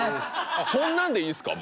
あっそんなんでいいんすか？